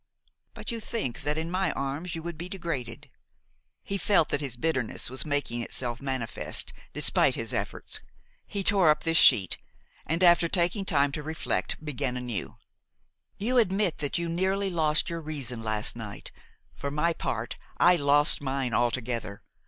But you think that in my arms you would be degraded–" He felt that his bitterness was making itself manifest, despite his efforts; he tore up this sheet, and, after taking time to reflect, began anew: "You admit that you nearly lost your reason last night; for my part, I lost mine altogether.